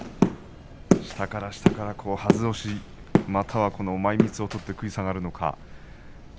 下から下からはず押しまたは前みつを取って食い下がるのか。